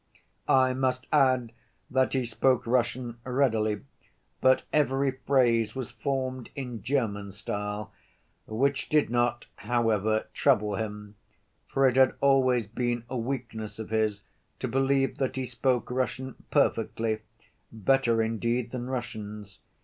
I must add that he spoke Russian readily, but every phrase was formed in German style, which did not, however, trouble him, for it had always been a weakness of his to believe that he spoke Russian perfectly, better indeed than Russians.